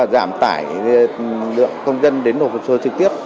giảm tải công dân đến nội phục sơ trực tiếp